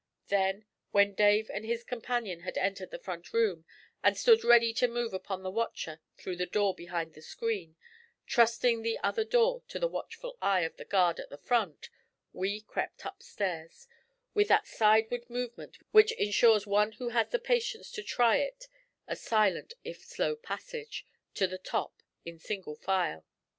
Then, when Dave and his companion had entered the front room and stood ready to move upon the watcher through the door behind the screen, trusting the other door to the watchful eye of the guard at the front, we crept upstairs, with that sidewise movement which insures one who has the patience to try it a silent if slow passage, to the top, in single file.